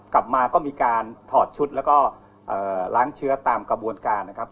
กลับมาก็มีการถอดชุดแล้วก็ล้างเชื้อตามกระบวนการนะครับ